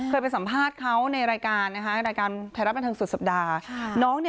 เคยไปสัมภาษณ์เขาในรายการไทยรัฐบันเทิงสุดสัปดาห์